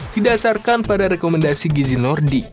didasarkan pada rekomendasi gizi nordi